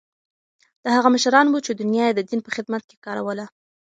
دا هغه مشران وو چې دنیا یې د دین په خدمت کې کاروله.